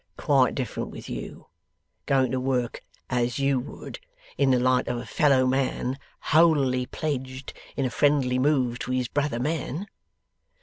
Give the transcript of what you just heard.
Quite different with YOU, going to work (as YOU would) in the light of a fellow man, holily pledged in a friendly move to his brother man.